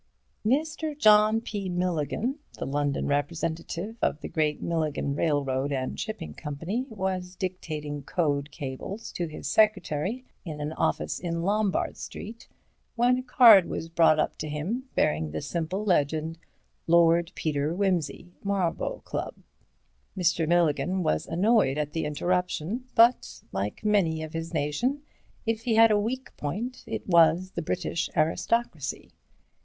Mr. John P. Milligan, the London representative of the great Milligan railroad and shipping company, was dictating code cables to his secretary in an office in Lombard Street, when a card was brought up to him, bearing the simple legend: LORD PETER WIMSEY Marlborough Club Mr. Milligan was annoyed at the interruption, but, like many of his nation, if he had a weak point, it was the British aristocracy.